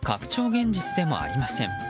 現実でもありません。